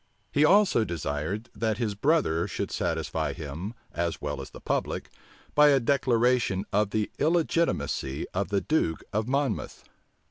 He also desired, that his brother should satisfy him, as well as the public, by a declaration of the illegitimacy of the duke of Monmouth.